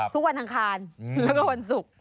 วันอังคารแล้วก็วันศุกร์